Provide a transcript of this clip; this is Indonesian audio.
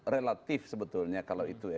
relatif sebetulnya kalau itu ya